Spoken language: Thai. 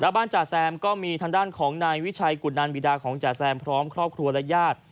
บ้านจ่าแซมก็มีทางด้านของนายวิชัยกุนันบิดาของจ๋าแซมพร้อมครอบครัวและญาติ